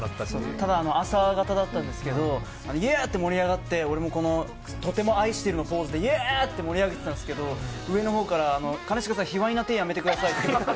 ただ、朝方だったんですけどイエーイ！って盛り上がって俺もとても愛してるのポーズでイエーイ！って盛り上げてたんですけど上のほうから、兼近さん卑猥な手やめてくださいって。